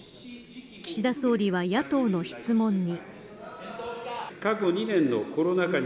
岸田総理は野党の質問に。